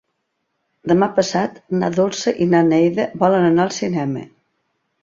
Demà passat na Dolça i na Neida volen anar al cinema.